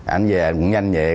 anh về cũng nhanh nhẹ